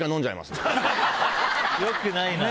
よくないな！